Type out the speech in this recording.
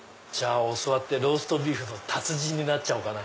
教わってローストビーフの達人になっちゃおうかな。